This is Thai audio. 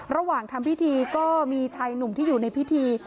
ระหว่างทำพิธีก็มีชายหนุ่มที่อยู่ในพิธี